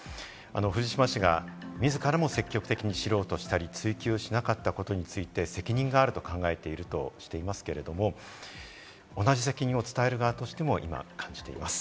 藤島氏がみずからも積極的に知ろうとしたり、追求しなかったことについて責任があると考えているとしていますけれども、同じ責任を伝える側としても感じています。